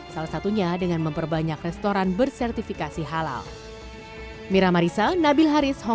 salah satunya dengan memperbanyak restoran bersertifikasi halal